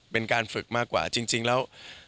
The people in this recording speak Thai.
เป็นการฝึกมากกว่าจริงแล้ว